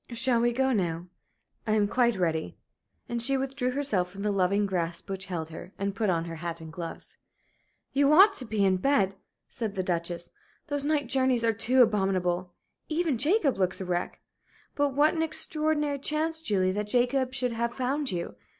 "Shall we go now? I am quite ready." And she withdrew herself from the loving grasp which held her, and put on her hat and gloves. "You ought to be in bed," said the Duchess. "Those night journeys are too abominable. Even Jacob looks a wreck. But what an extraordinary chance, Julie, that Jacob should have found you!